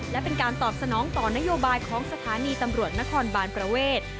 และเป็นการตอบสนองต่อนโยบายของสถานีตำรวจนครบานประเวท